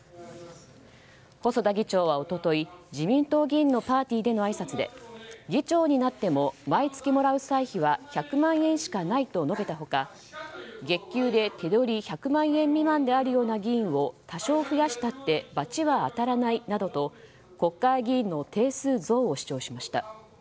細田議長は一昨日、自民党議員のパーティーでのあいさつで議長になっても毎月もらう歳費は１００万円しかないと述べた他月給で手取り１００万円未満であるような議員を多少増やしたって罰は当たらないなどと国会議員の定数増を主張しました。